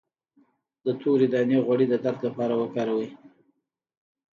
د تورې دانې غوړي د درد لپاره وکاروئ